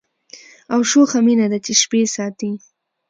او شوخه مینه ده چي شپې ساتي